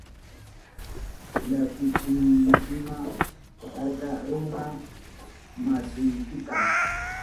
Llakichinkima karka runa masiykita.